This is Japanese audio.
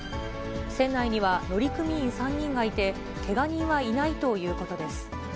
船内には乗組員３人がいて、けが人はいないということです。